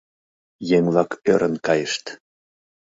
Еҥ-влак ӧрын кайышт.